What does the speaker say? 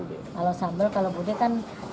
di kawasan tiga raksa tangrak